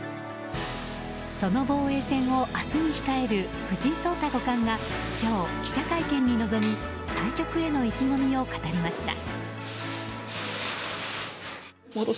その防衛戦を明日に控える藤井聡太五冠が今日、記者会見に臨み対局への意気込みを語りました。